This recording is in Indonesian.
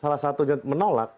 salah satunya menolak